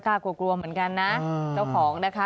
กลัวกลัวเหมือนกันนะเจ้าของนะคะ